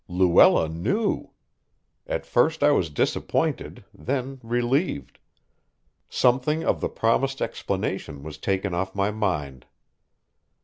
Luella knew! At first I was disappointed, then relieved. Something of the promised explanation was taken off my mind.